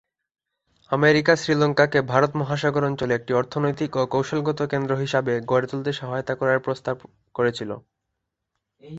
America শ্রীলঙ্কাকে ভারত মহাসাগর অঞ্চলে একটি অর্থনৈতিক ও কৌশলগত কেন্দ্র হিসাবে গড়ে তুলতে সহায়তা করার প্রস্তাব করেছিল।